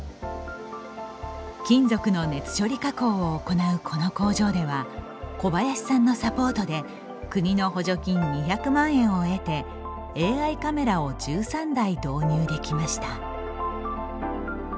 金属の熱処理加工を行うこの工場では小林さんのサポートで国の補助金２００万円を得てＡＩカメラを１３台導入できました。